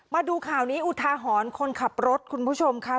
มาดูข่าวนี้อุทาหรณ์คนขับรถคุณผู้ชมค่ะ